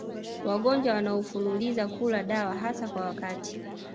Wagonjwa wanaofululiza kula dawa hasa kwa wakati